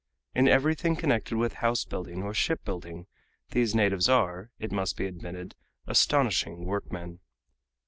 In everything connected with house building or ship building these natives are, it must be admitted, astonishing workmen.